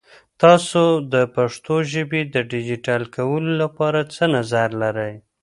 تاسو د پښتو ژبې د ډیجیټل کولو لپاره څه نظر لرئ؟